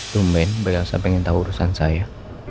sumbang bayasa pengen tahu urusan saya